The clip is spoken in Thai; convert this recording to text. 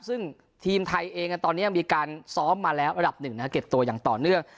ซึ่งทีมไทยเองตอนนี้มีการซ้อมมาแล้วระดับหนึ่งนะครับเก็บตัวอย่างต่อเนื่อง